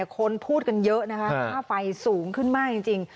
คนพูดกันเยอะนะคะค่าไฟสูงขึ้นมากจริง